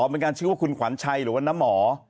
เป็นการชื่อว่าคุณขวัญชัยหรือว่าน้าหมอ